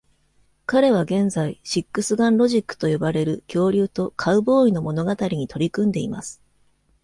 彼は現在、「シックスガンロジック」と呼ばれる恐竜とカウボーイの物語に取り組んでいます。